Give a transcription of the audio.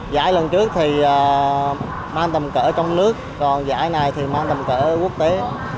giải lần trước thì mang tầm cỡ trong nước còn giải này thì mang tầm cỡ quốc tế